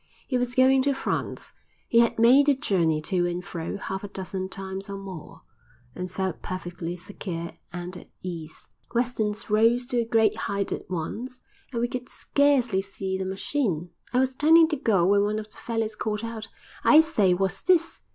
He was going to France; he had made the journey to and fro half a dozen times or more, and felt perfectly secure and at ease. "'Wester' rose to a great height at once, and we could scarcely see the machine. I was turning to go when one of the fellows called out, 'I say! What's this?